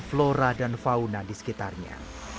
flora dan fauna disekitarnya